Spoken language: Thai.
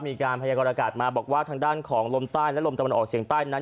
พยากรอากาศมาบอกว่าทางด้านของลมใต้และลมตะวันออกเฉียงใต้นั้น